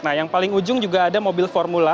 nah yang paling ujung juga ada mobil formula